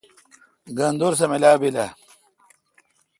گھن دور سہ ملاوبیلہ؟